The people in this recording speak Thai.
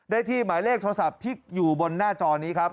ได้ที่หมายเลขโทรศัพท์ที่อยู่บนหน้าจอนี้ครับ